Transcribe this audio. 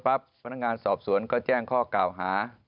พนักงานข้าแจ้งข้อเก่าภาค